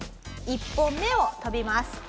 １本目を飛びます。